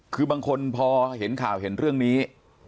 คือบางคนพอเห็นข่าวเห็นเรื่องนี้